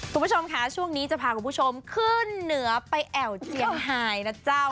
คุณผู้ชมค่ะช่วงนี้จะพาคุณผู้ชมขึ้นเหนือไปแอวเจียงไฮนะเจ้า